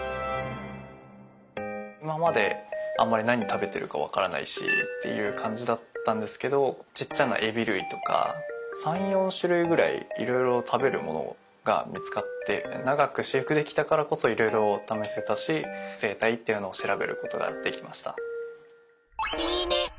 今まであんまり何食べてるか分からないしっていう感じだったんですけどちっちゃなエビ類とか３４種類ぐらいいろいろ食べるものが見つかって長く飼育できたからこそいろいろ試せたし生態っていうのを調べることができました。